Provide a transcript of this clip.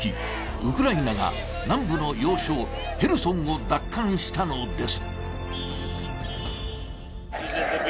ウクライナが南部の要衝ヘルソンを奪還したのです。